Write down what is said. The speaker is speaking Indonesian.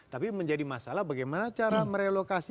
tapi menjadi masalah bagaimana cara merelokasi